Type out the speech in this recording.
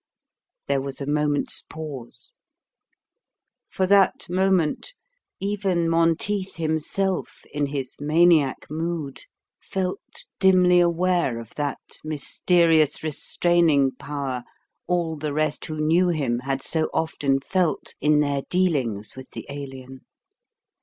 There was a moment's pause. For that moment, even Monteith himself, in his maniac mood, felt dimly aware of that mysterious restraining power all the rest who knew him had so often felt in their dealings with the Alien.